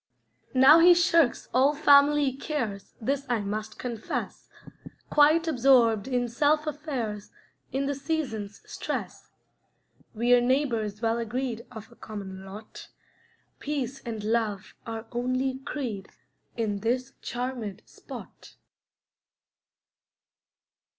Now he shirks all family cares, This I must confess; Quite absorbed in self affairs In the season's stress. We are neighbors well agreed Of a common lot; Peace and love our only creed In this charmèd spot.